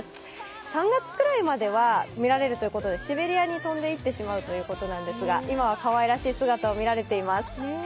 ３月くらいまでは見られるということで、シベリアに飛んでいってしまうということなんですが今はかわいらしい姿を見られています。